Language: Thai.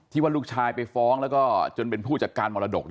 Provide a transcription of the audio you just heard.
ว่าลูกชายไปฟ้องแล้วก็จนเป็นผู้จัดการมรดก